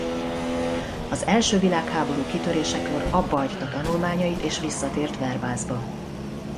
Az első világháború kitörésekor abbahagyta tanulmányait és visszatért Verbászba.